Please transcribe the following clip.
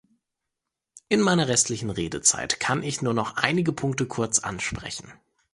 In meiner restlichen Redezeit kann ich nur noch einige Punkte kurz ansprechen.